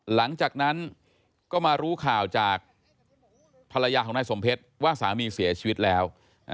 หลังจากนั้นก็มารู้ข่าวจากภรรยาของนายสมเพชรว่าสามีเสียชีวิตแล้ว